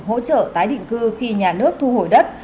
hỗ trợ tái định cư khi nhà nước thu hồi đất